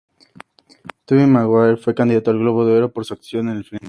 Tobey Maguire fue candidato al Globo de Oro por su actuación en el filme.